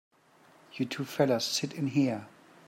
You two fellas sit in here.